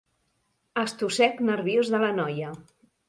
Estossec nerviós de la noia.